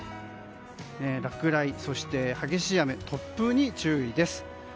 落雷、そして激しい雨突風に注意です。